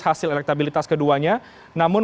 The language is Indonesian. hasil elektabilitas keduanya namun